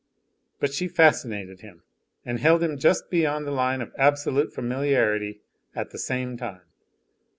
But she fascinated him, and held him just beyond the line of absolute familiarity at the same time.